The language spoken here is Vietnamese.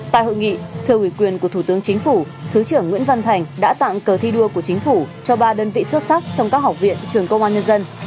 tại hội nghị thưa ủy quyền của thủ tướng chính phủ thứ trưởng nguyễn văn thành đã tặng cờ thi đua của chính phủ cho ba đơn vị xuất sắc trong các học viện trường công an nhân dân